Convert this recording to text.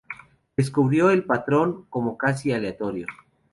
Describió el patrón como casi "aleatorio".